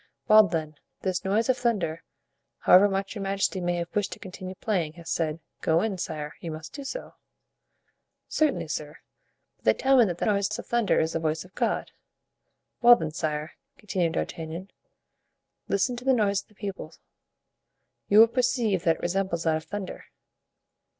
"Well, then, this noise of thunder, however much your majesty may have wished to continue playing, has said, 'go in, sire. You must do so.'" "Certainly, sir; but they tell me that the noise of thunder is the voice of God." "Well then, sire," continued D'Artagnan, "listen to the noise of the people; you will perceive that it resembles that of thunder."